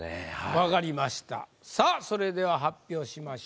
分かりましたさぁそれでは発表しましょう。